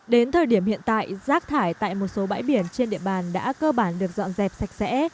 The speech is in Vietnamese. đến thời điểm hiện tại rác thải tại một số bãi biển trên địa bàn đã cơ bản được dọn dẹp sạch sẽ